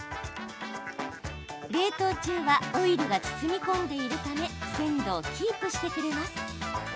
冷凍中はオイルが包み込んでいるため鮮度をキープしてくれます。